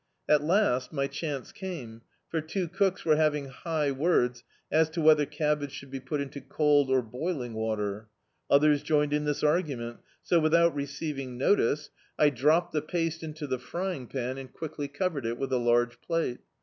At last my chance came, for two cooks were having high words as to whether cabbage should be put into cold or boiling water. Others joined in this argu ment, so without receiving notice, I dr(^ped the [27'] D,i.,.db, Google The Autobiography of a Super Tramp paste into the frying pan and quickly covered it with a large plate.